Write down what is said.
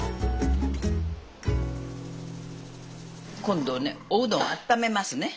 今度ねおうどんあっためますね。